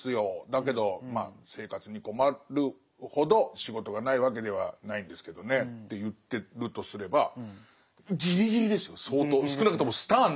だけど生活に困るほど仕事がないわけではないんですけどね」って言ってるとすればギリギリですよ相当。